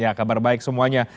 ya kabar baik semuanya